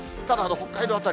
ただ北海道